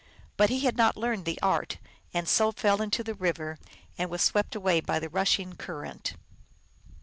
But he had not learned the art, and so fell into the river, and was swept away by the rushing current.